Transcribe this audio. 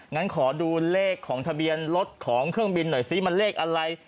งั้นขอดูเลขของทะเบียนรถของเครื่องบินหน่อยซิมันเลขอะไร